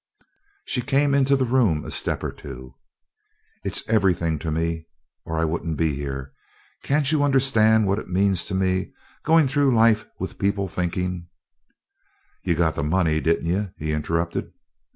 She came into the room a step or two. "It's everything to me or I wouldn't be here. Can't you understand what it means to me going through life with people thinking " "You got the money, didn't you?" he interrupted.